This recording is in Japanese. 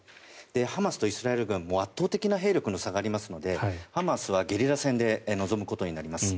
ハマスとイスラエル軍圧倒的な兵力の差がありますのでハマスはゲリラ戦で臨むことになります。